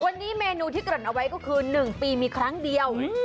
วันนี้เมนูที่เกริ่นเอาไว้ก็คือ๑ปีมีครั้งเดียว